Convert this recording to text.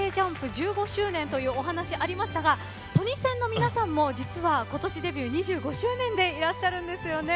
１５周年というお話、ありましたがトニセンの皆さんも実は今年デビュー２５周年でいらっしゃるんですよね。